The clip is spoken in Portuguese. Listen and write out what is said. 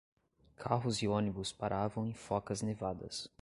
Carros e ônibus pararam em focas nevadas.